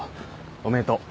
おめでとう。